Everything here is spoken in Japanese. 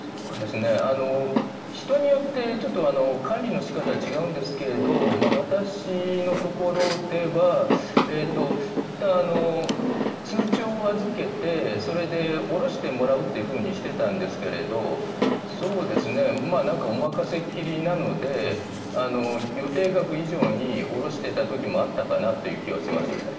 人によってちょっと管理の仕方が違うんですが私のところではいったん通帳を預けてそれで下ろしてもらうというふうにしていたんですが任せ切りなので予定額以上に下ろしていた時もあったかなという気がします。